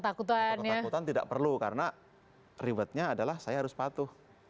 takut ketakutan tidak perlu karena rewardnya adalah saya harus patuh